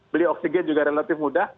beli oksigen juga relatif mudah